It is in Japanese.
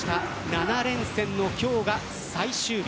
７連戦の今日が最終戦、最終日。